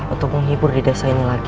untuk menghibur di desa ini lagi